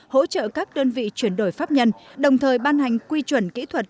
hỗ trợ các đơn vị chuyển đổi pháp nhân đồng thời ban hành quy chuẩn kỹ thuật